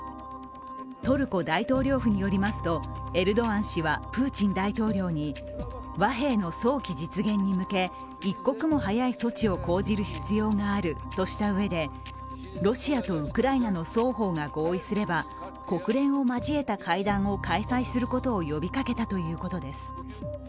トルコ大統領府によりますとエルドアン氏はプーチン大統領に和平の早期実現に向け一刻も早い措置を講じる必要があるとしたうえでロシアとウクライナの双方が合意すれば国連を交えた会談を開催することを呼びかけたということです。